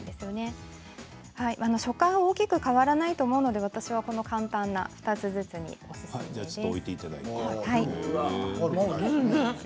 食感は大きく変わらないと思うので私はこの簡単な２つずつがおすすめです。